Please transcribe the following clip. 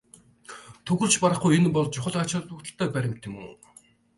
Түүгээр ч барахгүй энэ бол чухал ач холбогдолтой баримт мөн.